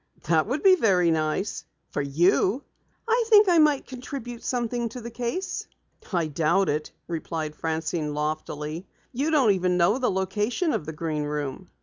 "That would be very nice for you." "I think I might contribute something to the case." "I doubt it," replied Francine loftily. "You don't even know the location of the Green Room."